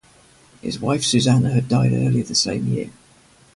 His wife Susanna had died earlier the same year.